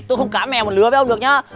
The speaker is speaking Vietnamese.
tôi không cá mèo một lứa với ông được nhá